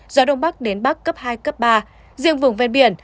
gió đông bắc đến bắc cấp hai cấp ba riêng vùng ven biển